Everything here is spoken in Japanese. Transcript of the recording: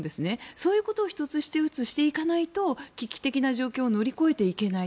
そういうことを１つずつしていかないと危機的状況を乗り越えていけない。